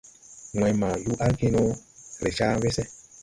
Wãy ma yuu argi no ree ca wese.